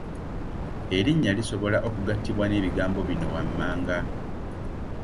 Erinnya lisobola okugattibwa n’ebigambo bino wammanga.